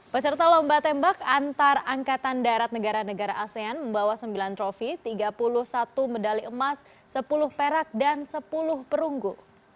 peserta lomba tembak antar angkatan darat negara negara asean membawa sembilan trofi tiga puluh satu medali emas sepuluh perak dan sepuluh perunggu